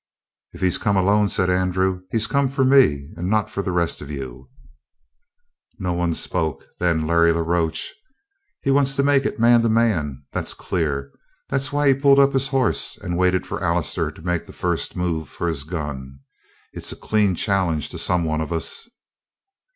"If he's come alone," said Andrew, "he's come for me and not for the rest of you." No one spoke. Then Larry la Roche: "He wants to make it man to man. That's clear. That's why he pulled up his hoss and waited for Allister to make the first move for his gun. It's a clean challenge to some one of us."